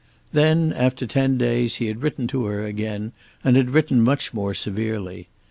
Then, after ten days, he had written to her again and had written much more severely.